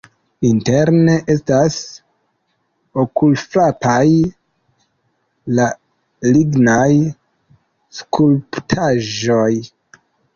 Interne estas okulfrapaj la lignaj skulptaĵoj.